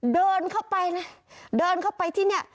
เดินเข้าไปนะเดินเข้าไปที่นี่